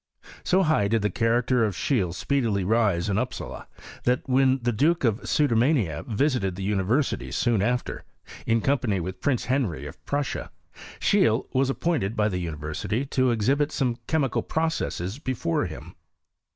. So high did the character of Seheele speedily rise in Upsala, that when the Duke of Sudermania. visited tlie university soon after, in company with Prince Henry of Prussia, Seheele was appointed by the university to exhibit some chemical pro i^ses before him.